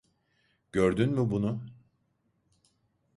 Gördün mü bunu?